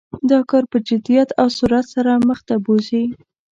دا کار په جدیت او سرعت سره مخ ته بوزي.